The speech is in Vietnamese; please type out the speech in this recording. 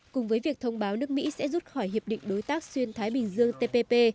cùng với việc thông báo nước mỹ sẽ rút khỏi hiệp định đối tác xuyên thái bình dương tpp